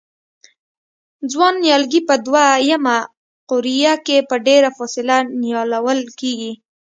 ځوان نیالګي په دوه یمه قوریه کې په ډېره فاصله نیالول کېږي.